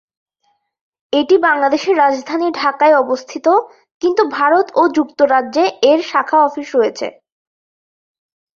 এটি বাংলাদেশের রাজধানী ঢাকায় অবস্থিত, কিন্তু ভারত ও যুক্তরাজ্যে এর শাখা অফিস রয়েছে।